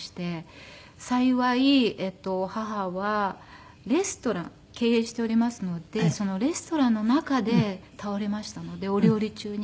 幸い母はレストラン経営しておりますのでそのレストランの中で倒れましたのでお料理中にね。